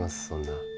そんな。